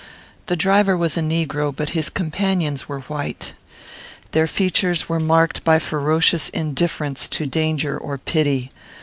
The driver was a negro; but his companions were white. Their features were marked by ferocious indifference to danger or pity.